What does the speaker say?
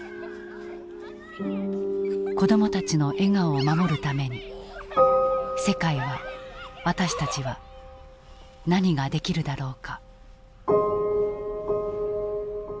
子どもたちの笑顔を守るために世界は私たちは何ができるだろうか。